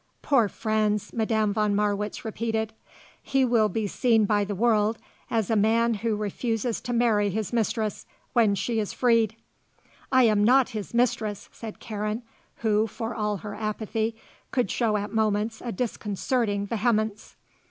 "Poor Franz," Madame von Marwitz repeated. "He will be seen by the world as a man who refuses to marry his mistress when she is freed." "I am not his mistress," said Karen, who, for all her apathy, could show at moments a disconcerting vehemence.